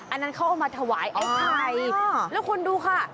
อันนั้นเขาเอามาถวายไอ้ไข่แล้วคุณดูค่ะ